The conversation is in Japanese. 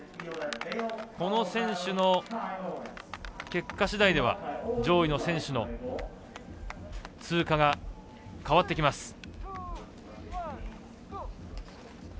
この選手の結果しだいでは上位の選手の通過が変わってきます。